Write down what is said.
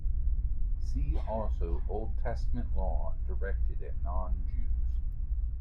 See also Old Testament Law directed at non-Jews.